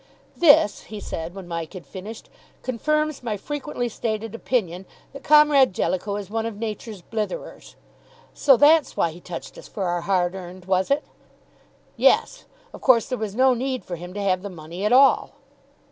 "This," he said, when Mike had finished, "confirms my frequently stated opinion that Comrade Jellicoe is one of Nature's blitherers. So that's why he touched us for our hard earned, was it?" "Yes. Of course there was no need for him to have the money at all."